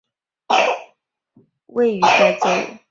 联邦首都帕利基尔位于该州。